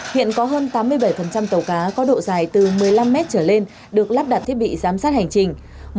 hiện có hơn tám mươi bảy tàu cá có độ dài từ một mươi năm mét trở lên được lắp đặt thiết bị giám sát hành trình